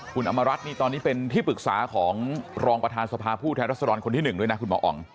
คุณอำมารัฐนี่ตอนนี้เป็นที่ปรึกษาของรองประธานสภาผู้แทนรัศดรคนที่๑ด้วยนะคุณหมออ๋อง